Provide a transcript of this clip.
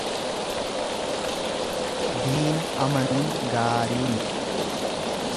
Diina amanuun gaarii miti.